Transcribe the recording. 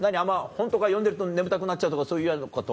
本とか読んでると眠たくなっちゃうとかそういうようなこと？